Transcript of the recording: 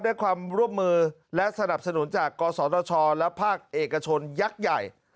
ได้ความร่วมมือและสนับสนุนจากกศธชและภาคเอกชนยักษ์ใหญ่